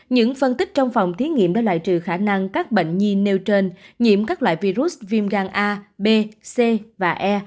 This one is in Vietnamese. những phân tích trong phòng thí nghiệm đã loại trừ khả năng các bệnh nhi nêu trên nhiễm các loại virus viêm gan a b c và e